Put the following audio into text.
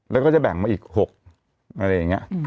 แล้วก็จะแบ่งมาอีก๖อะไรอย่างนี้